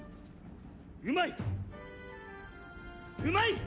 「うまい！」